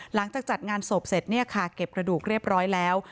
หลังจากจัดงานศพเสร็จเก็บกระดูกเรียบร้อยแล้ว